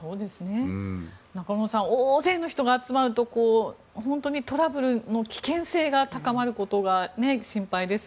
中室さん大勢の人が集まると本当にトラブルの危険性が高まることが心配です。